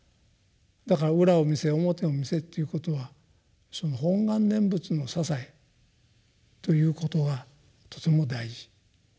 だから「裏を見せ表を見せ」ということはその「本願念仏」の支えということがとても大事。